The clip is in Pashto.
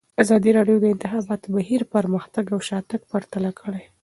ازادي راډیو د د انتخاباتو بهیر پرمختګ او شاتګ پرتله کړی.